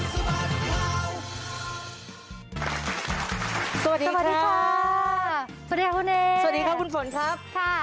สวัสดีครับสวัสดีครับสวัสดีครับสวัสดีครับสวัสดีครับคุณฝนครับค่ะ